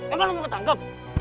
emang lu mau ketangkep